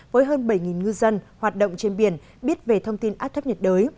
với hơn bảy ngư dân hoạt động trên biển biết về thông tin áp thấp nhiệt đới